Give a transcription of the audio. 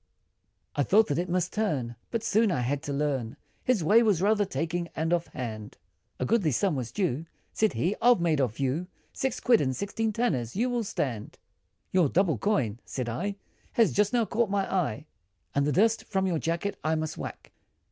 I thought that it must turn, But soon I had to learn, His way was rather taking, and off hand, A goodly sum was due, Said he "I've made off you, Six quid, and sixteen tanners, you will stand," "Your double coin," said I, "Has just now caught my eye, And the dust, from your jacket, I must whack!"